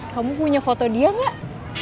kamu punya foto dia gak